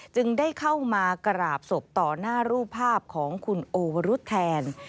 จึงได้เข้ามากราบศพต่อหน้ารูปภาพของคุณโอวรุธแทน